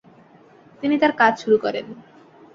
তিনি তার কাজ শুরু করেন।